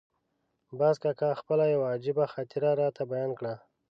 باز کاکا خپله یوه عجیبه خاطره راته بیان کړه.